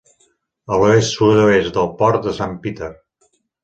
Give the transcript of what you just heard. A l'oest sud-oest del Port de Sant Peter.